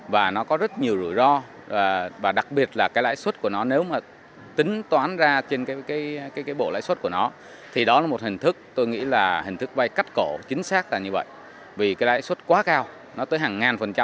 và các hình thức tiến dụng